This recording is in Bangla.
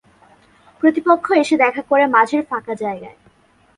প্রতিপক্ষ এসে দেখা করে মাঝের ফাঁকা জায়গায়।